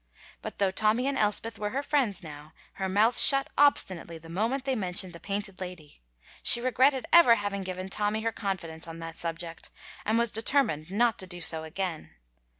But though Tommy and Elspeth were her friends now, her mouth shut obstinately the moment they mentioned the Painted Lady; she regretted ever having given Tommy her confidence on that subject, and was determined not to do so again.